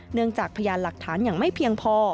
เนื่องจากพยานหลักฐานอย่างไม่เพียงพอ